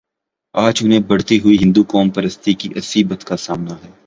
آج انہیں بڑھتی ہوئی ہندوقوم پرستی کی عصبیت کا سامنا ہے۔